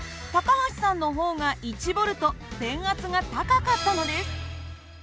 高橋さんの方が１Ｖ電圧が高かったのです。